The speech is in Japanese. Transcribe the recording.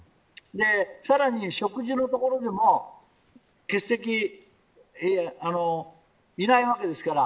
さらに食事のところでもいないわけですから。